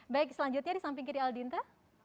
baik selanjutnya di samping kiri aldinta